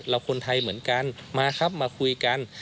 คนไทยเหมือนกันมาครับมาคุยกัน